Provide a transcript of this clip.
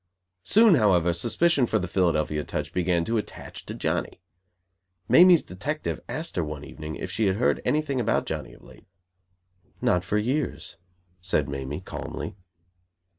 Soon, however, suspicion for the Philadelphia touch began to attach to Johnny. Mamie's detective asked her one evening if she had heard anything about Johnny, of late. "Not for years," said Mamie, calmly.